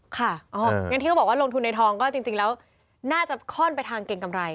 อย่างที่เขาบอกว่าลงทุนในทองก็จริงแล้วน่าจะค่อนไปทางเกรงกำไร